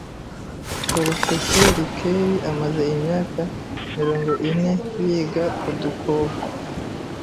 Porofeseri Kay amaze imyaka mirongo ine yiga udukoko.